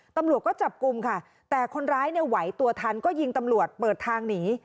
ตำรวจก็จับกลุ่มค่ะแต่คนร้ายเนี่ยไหวตัวทันก็ยิงตำรวจเปิดทางหนี